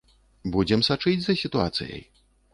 Будзем сачыць за сітуацыяй.